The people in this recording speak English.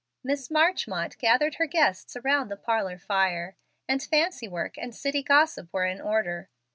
Miss Marchmont gathered her guests around the parlor fire, and fancy work and city gossip were in order.